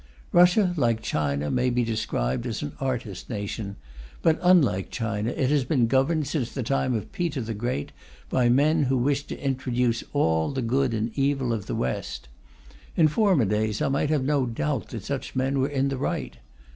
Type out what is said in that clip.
Russia, like China, may be described as an artist nation; but unlike China it has been governed, since the time of Peter the Great, by men who wished to introduce all the good and evil of the West. In former days, I might have had no doubt that such men were in the right.